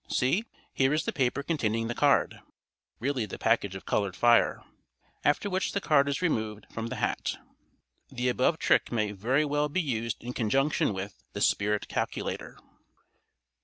See, here is the paper containing the card" (really the package of colored fire), after which the card is removed from the hat. The above trick may very well be used in conjunction with "The Spirit Calculator."